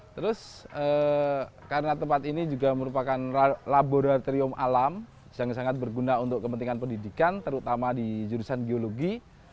terus karena tempat ini juga merupakan laboratorium alam yang sangat berguna untuk kepentingan pendidikan terutama di jurusan geologi